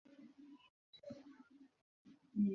তবে সে ডাক্তার হওয়ার যোগ্য।